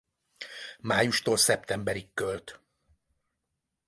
Májustól szeptemberig költ.